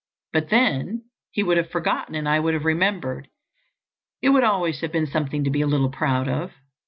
But then, he would have forgotten and I would have remembered. It would always have been something to be a little proud of."